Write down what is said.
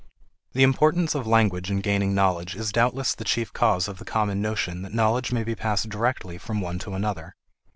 The importance of language in gaining knowledge is doubtless the chief cause of the common notion that knowledge may be passed directly from one to another.